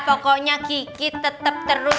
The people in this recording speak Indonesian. pokoknya kiki tetep terus